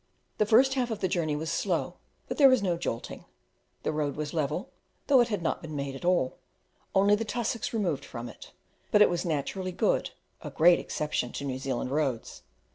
The first half of the journey was slow, but there was no jolting. The road was level, though it had not been made at all, only the tussocks removed from it; but it was naturally good a great exception to New Zealand roads.